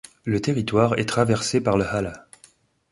Le territoire est traversé par le Hahle.